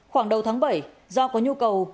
khoảng đầu tháng bảy do có nhu cầu